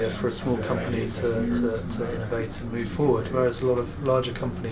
mereka memiliki kemampuan agilitas dan mungkin lebih mudah bagi perusahaan kecil untuk berinovasi dan bergerak ke depan